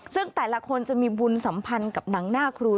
ซึ่งแต่ละคนจะมีบุญสัมพันธ์กับหนังหน้าครู